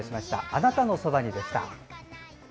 「あなたのそばに」でした。